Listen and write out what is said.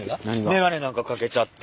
メガネなんかかけちゃって。